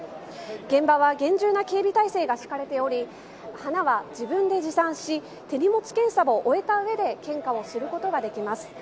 現場は厳重な警備態勢が敷かれており花は自分で持参し手荷物検査を終えたうえで献花をすることができます。